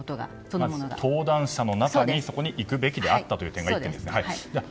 登壇者の中に、そこに行くべきであったということですね。